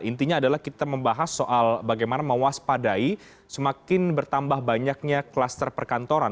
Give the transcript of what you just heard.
intinya adalah kita membahas soal bagaimana mewaspadai semakin bertambah banyaknya kluster perkantoran